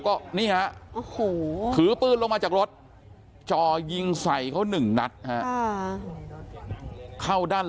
ก็นี่ฮะโอ้โหถือปืนลงมาจากรถจ่อยิงใส่เขาหนึ่งนัดฮะเข้าด้าน